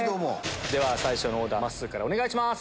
最初のオーダーまっすーからお願いします。